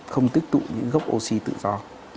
không tích tụ những gốc oxy tự do